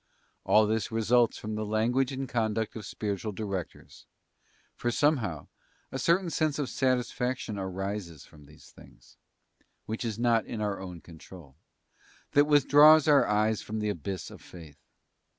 All this results from the language and conduct of spiritual directors; for somehow, a certain sense of satisfaction arises from these things—which is not in our own control—that withdraws our eyes from the abyss of faith.